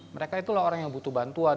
mereka itulah orang yang butuh bantuan